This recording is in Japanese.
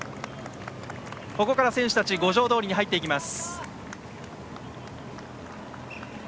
ここから選手たちは五条通に入っていきます。